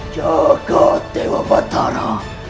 jaga tewa batara